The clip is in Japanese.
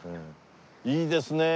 いいですねえ。